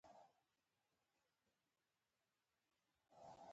د سټورات کورنۍ د تیودوریانو ځایناستې شوه.